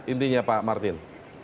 intinya pak martin